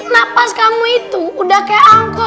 nafas kamu itu udah kayak angkot